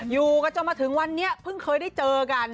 อยู่กันจนมาถึงวันนี้เพิ่งเคยได้เจอกัน